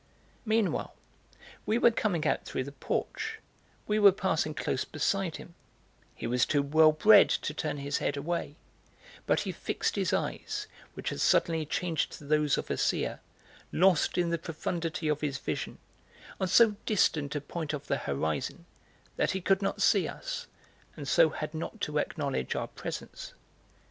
Meanwhile we were coming out through the porch; we were passing close beside him; he was too well bred to turn his head away; but he fixed his eyes, which had suddenly changed to those of a seer, lost in the profundity of his vision, on so distant a point of the horizon that he could not see us, and so had not to acknowledge our presence.